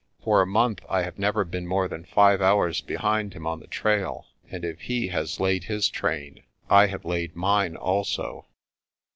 For a month I have never been more than five hours behind him on the trail j and if he has laid his train, I have laid mine also."